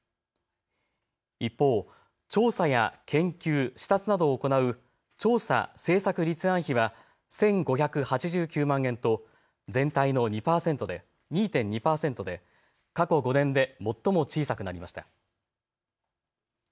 一方、調査や研究、視察などを行う調査・政策立案費は１５８９万円と全体の２．２％で過去５年で最も小さくなりました。